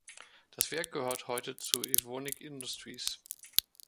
Das Werk gehört heute zu Evonik Industries.